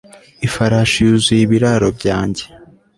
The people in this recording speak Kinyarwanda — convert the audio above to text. Ifarashi yuzuye ibiraro byanjye